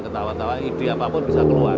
ketawa tawa ide apapun bisa keluar